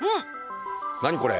何これ？